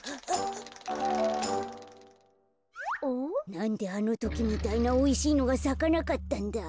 なんであのときみたいなおいしいのがさかなかったんだ。